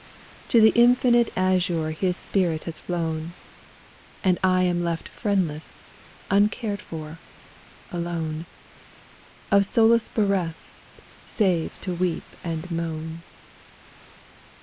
To the infinite azure his spirit has flown, And I am left friendless, uncared for, alone, Of solace bereft, save to weep and to moan.